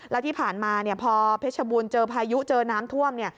แล้วที่ผ่านมาพอเพชรบูนเจอพายุเจอน้ำท่วม